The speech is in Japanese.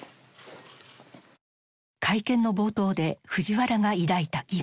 会見の冒頭で藤原が抱いた疑問。